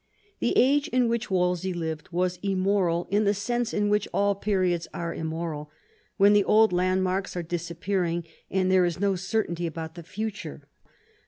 The age in which Wolsey lived was immoral in the / sense in which all periods are immoral, when the old I landmarks are disappearing and there is no certainty \ about the future.